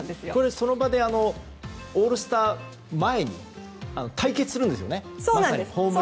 その場でオールスター前に対決するんですよね